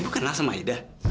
ibu kenal sama aida